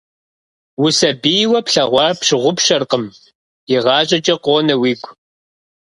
Усабийуэ плъэгъуар пщыгъупщэркъым, игъащӀэкӀэ къонэ уигу.